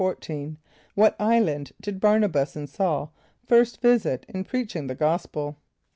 = What island did Bär´na b[)a]s and S[a:]ul first visit in preaching the gospel?